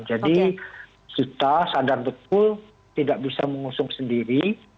jadi kita sadar betul tidak bisa mengusung sendiri